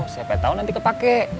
siapa tau nanti kepake